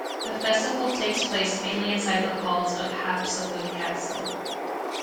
The festival takes place mainly inside the walls of Haapsalu Castle.